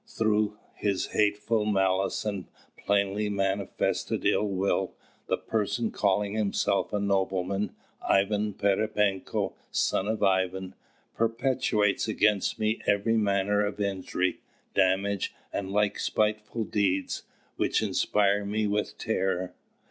Through his hateful malice and plainly manifested ill will, the person calling himself a nobleman, Ivan Pererepenko, son of Ivan, perpetrates against me every manner of injury, damage, and like spiteful deeds, which inspire me with terror.